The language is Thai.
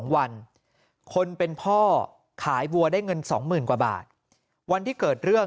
วันคนเป็นพ่อขายวัวได้เงิน๒๐๐๐กว่าบาทวันที่เกิดเรื่อง